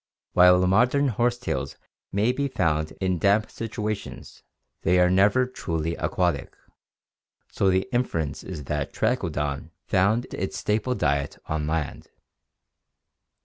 While modem horsetails may be found in damp situations, they are never truly aquatic, so the inference is that Trachodon found its staple diet on land.